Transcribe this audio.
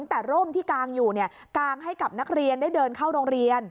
แต่ร่มที่กางอยู่เนี่ยกางให้กับนักเรียนได้เดินเข้าโรงเรียน